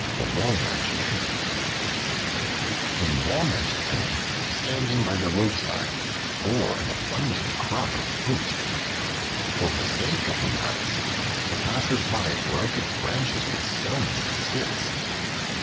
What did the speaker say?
The Walnut Tree A WALNUT TREE standing by the roadside bore an abundant crop of fruit. For the sake of the nuts, the passers by broke its branches with stones and sticks.